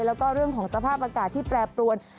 แล้วก็เรื่องของสภาพอากาศที่แปรปรวน